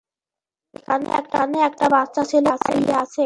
এখানে একটা বাচ্চা ছেলে দাঁড়িয়ে আছে।